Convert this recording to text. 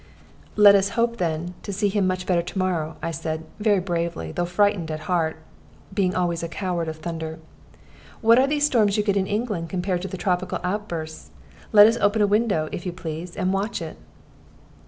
"Let us hope, then to see him much better to morrow," I said, very bravely, though frightened at heart, being always a coward of thunder. "What are these storms you get in England compared to the tropical outbursts? Let us open the window, if you please, and watch it."